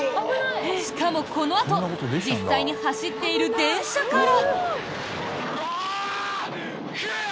しかも、このあと実際に走っている電車から。